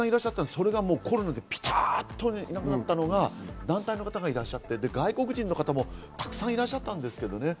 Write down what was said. それがコロナでぴたっとなくなったのが、団体の方がいらっしゃって外国人の方もたくさんいらっしゃったんです。